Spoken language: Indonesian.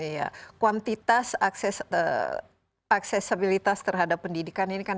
iya kuantitas aksesibilitas terhadap pendidikan ini kan